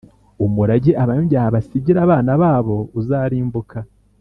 Umurage abanyabyaha basigira abana babo uzarimbuka,